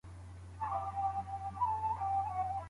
که ته د خپل هدف لپاره قرباني ورنه کړې نو بریا نه راځي.